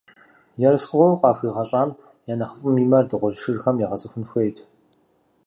Ерыскъыгъуэу къахуигъэщӀам я нэхъыфӀым и мэр дыгъужь шырхэм егъэцӀыхун хуейт!